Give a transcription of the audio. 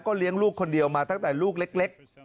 เลี้ยงลูกคนเดียวมาตั้งแต่ลูกเล็ก